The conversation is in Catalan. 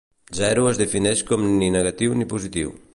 Zero es defineix com ni negatiu ni positiu.